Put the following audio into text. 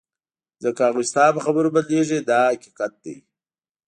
ځکه هغوی ستا په خبرو بدلیږي دا حقیقت دی.